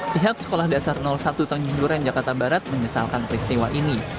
pihak sekolah dasar satu tanjung duren jakarta barat menyesalkan peristiwa ini